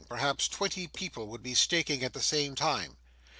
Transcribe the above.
Perhaps twenty people would be staking at the same time.